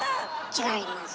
違います。